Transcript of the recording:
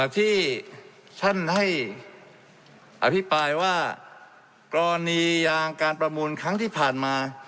ที่ท่านให้อภิปรายว่ากรณียางการประมูลครั้งที่ผ่านมา